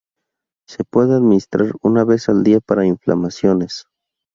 Se puede administrar una vez al día para inflamaciones.